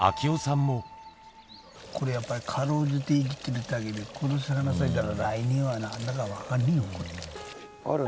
これやっぱり、かろうじて生きてるだけで、この桜は来年は咲くか分かんねえよ、これ。